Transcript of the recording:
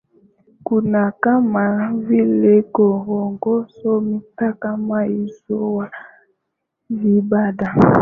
kuna kama vile korogocho mitaa kama hizo za vibanda